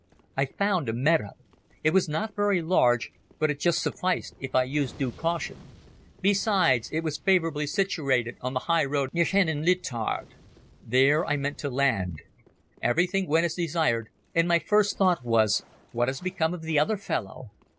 I found a meadow. It was not very large but it just sufficed if I used due caution. Besides it was favorably situated on the high road near Hénin Liétard. There I meant to land. Everything went as desired and my first thought was, "What has become of the other fellow."